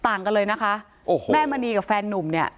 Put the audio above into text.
ต่างกันเลยนะคะโอ้โหแม่มณีกับแฟนนุ่มเนี่ย